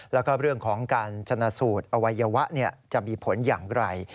แล้วก็เรื่องของการชนะสูตรอวัยวะจะมีผลอย่างไร